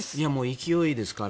勢いですから。